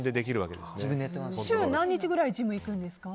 週に何日くらいジムに行くんですか？